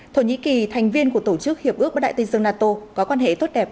thổ nhĩ kỳ thành viên của tổ chức hiệp ước bắc đại tây dương nato có quan hệ tốt đẹp